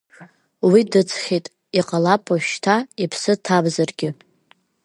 Уи дыӡхьеит, иҟалап уажәшьҭа иԥсы ҭамзаргьы.